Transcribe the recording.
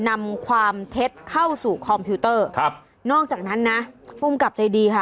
นำความเท็จเข้าสู่คอมพิวเตอร์ครับนอกจากนั้นนะภูมิกับใจดีค่ะ